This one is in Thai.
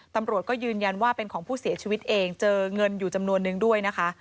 ตำรวจก็ยืนยันว่าเป็นของผู้เสียชีวิตเองเจอเงินอยู่จำนวนนึงด้วยนะคะ